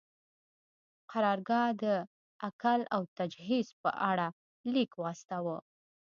قرارګاه د اکل او تجهیز په اړه لیک واستاوه.